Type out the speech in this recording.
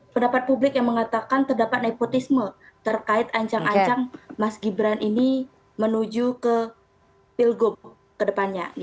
pendapat publik yang mengatakan terdapat nepotisme terkait ancang ancang mas gibran ini menuju ke pilgub ke depannya